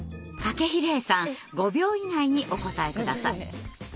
筧礼さん５秒以内にお答え下さい。